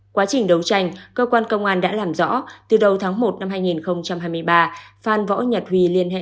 quá trình đấu tranh cơ quan công an đã làm rõ từ đầu tháng một năm hai nghìn hai mươi ba phan võ nhật huy liên hệ